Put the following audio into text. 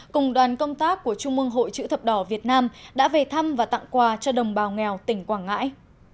cùng đoàn công tác của trung mương hội chữ thập đỏ việt nam đã về thăm và tặng quà cho đồng bào nghèo tỉnh quảng ngãi